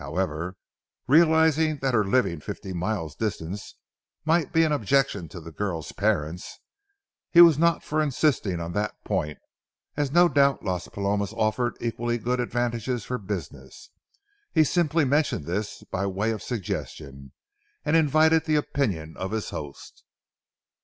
However, realizing that her living fifty miles distant might be an objection to the girl's parents, he was not for insisting on that point, as no doubt Las Palomas offered equally good advantages for business. He simply mentioned this by way of suggestion, and invited the opinion of his host.